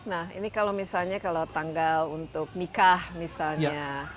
nah ini kalau misalnya kalau tanggal untuk nikah misalnya